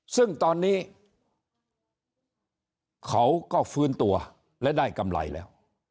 ซึ่งตอนนี้เขาก็ฟื้นตัวและได้กำไรแล้ว